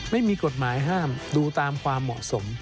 ไม่มีกฎหมายห้ามดูตามความเหมาะสม